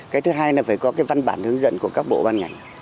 cái thứ hai là phải có cái văn bản hướng dẫn của các bộ ban ngành